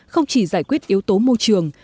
không chỉ giải quyết yếu tố môi trường